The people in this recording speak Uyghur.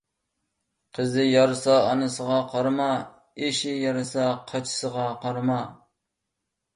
قىزى يارىسا ئانىسىغا قارىما، ئېشى يارىسا قاچىسىغا قارىما.